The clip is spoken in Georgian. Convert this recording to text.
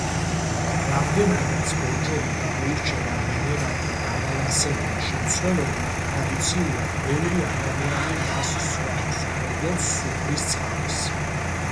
რამდენადაც, „ბორჯომი“ გამოირჩევა მინერალთა დაბალანსებული შემცველობით, ტრადიციულად, ბევრი ადამიანი მას სვამს, როგორც სუფრის წყალს.